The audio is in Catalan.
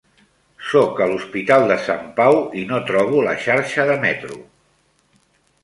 Sóc a l'Hospital de Sant Pau i no trobo la xarxa de metro!